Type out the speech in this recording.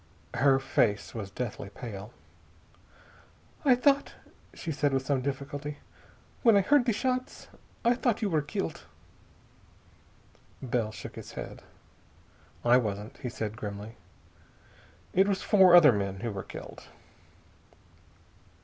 Her face was deathly pale. "I thought," she said with some difficulty, "when I heard the shots I thought you were killed." Bell shook his head. "I wasn't," he said grimly. "It was four other men who were killed."